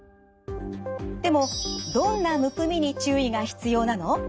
でもどんなむくみに注意が必要なの？